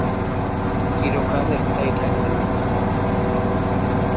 চিরকাল স্থায়ী থাকবে না।